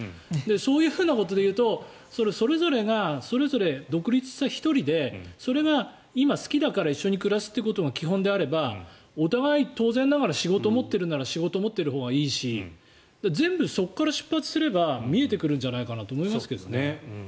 そういうふうなことでいうとそれぞれがそれぞれ独立した１人でそれが今、好きだから一緒に暮らすということが基本であればお互い当然ながら仕事を持っているなら持っているほうがいいし全部、そこから出発すれば見えてくるんじゃないかと思いますけどね。